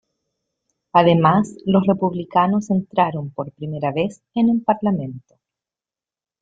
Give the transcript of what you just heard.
Además, los Republicanos entraron por primera vez en el parlamento.